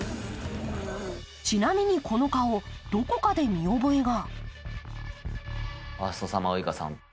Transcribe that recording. ちなみにこの顔、どこかで見覚えが。